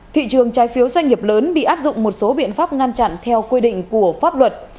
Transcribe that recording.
thị trường trái phiếu doanh nghiệp lớn bị áp dụng một số biện pháp ngăn chặn theo quy định của pháp luật